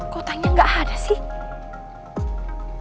kau tanya gak ada sih